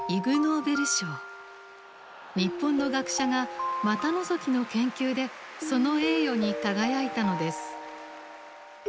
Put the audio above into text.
日本の学者が股のぞきの研究でその栄誉に輝いたのです。